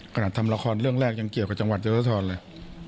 ขนาดทำละครเรื่องแรกยังเกี่ยวกับจังหวัดเยอะทรเลย